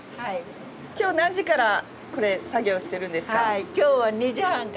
今日何時からこれ作業してるんですか？